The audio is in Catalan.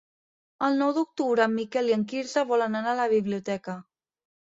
El nou d'octubre en Miquel i en Quirze volen anar a la biblioteca.